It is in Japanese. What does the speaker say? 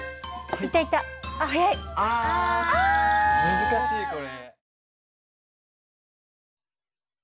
難しいこれ。